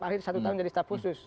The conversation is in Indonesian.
akhirnya satu tahun jadi staff khusus